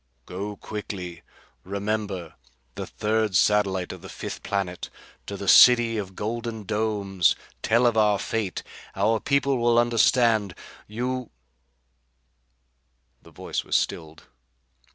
Go quickly. Remember the third satellite of the fifth planet to the city of golden domes. Tell of our fate. Our people will understand. You " The voice was stilled.